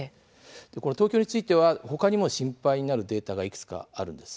東京についてはほかにも心配なデータがいくつかあります。